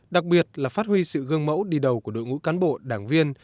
đặc biệt là phát huy sự gương mẫu đi đầu của đội ngũ cán bộ đảng viên